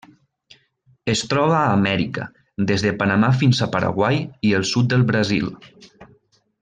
Es troba a Amèrica: des de Panamà fins al Paraguai i el sud del Brasil.